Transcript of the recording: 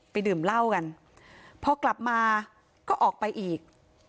ดื่มเหล้ากันพอกลับมาก็ออกไปอีก